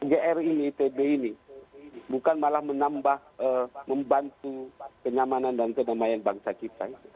gr ini itb ini bukan malah menambah membantu kenyamanan dan kedamaian bangsa kita